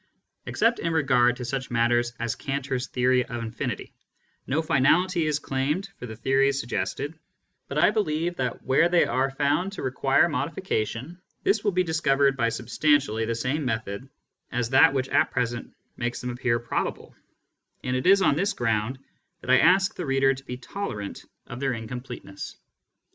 Except in regard to such matters as Cantor's theory of infinity, no finality is claimed for the theories suggested ; but I believe that where they are found to require modification, this will be discovered by substantially the same method as that which at present makes them appear probable, and it is on this ground that I ask the reader to be tolerant of their incompleteness.